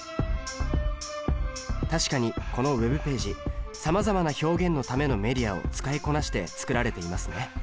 確かにこのＷｅｂページさまざまな「表現のためのメディア」を使いこなして作られていますね。